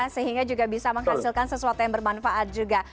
sehingga juga bisa menghasilkan sesuatu yang bermanfaat juga